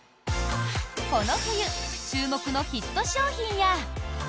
この冬注目のヒット商品や。